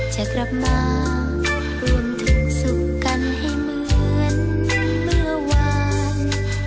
จะกลับมารวมถึงสุขกันให้เหมือนเมื่อวาน